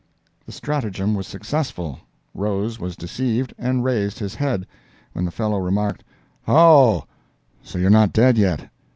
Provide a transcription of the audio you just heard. The stratagem was successful; Rose was deceived, and raised his head, when the fellow remarked, "Oh, so you're not dead yet!